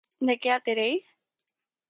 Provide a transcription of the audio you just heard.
¿De que a terei?